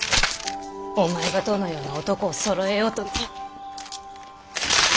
お前がどのような男をそろえようとな。